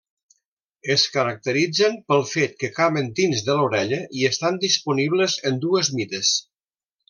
Es caracteritzen pel fet que caben dins de l'orella i estan disponibles en dues mides.